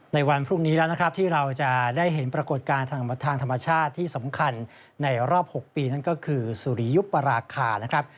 ในวันพรุ่งนี้แล้วนะครับที่เราจะได้เห็นปรากฏการณ์ทางธรรมชาติที่สำคัญในรอบ๖ปีนั่นก็คือสุริยุปราคานะครับ